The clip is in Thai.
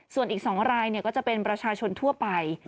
ส่วนอีก๒รายก็จะเป็นประชาชนทั่วไป